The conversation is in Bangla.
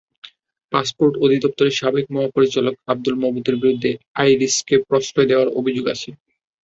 পাসপোর্ট অধিদপ্তরের সাবেক মহাপরিচালক আবদুল মাবুদের বিরুদ্ধে আইরিসকে প্রশ্রয় দেওয়ার অভিযোগ আছে।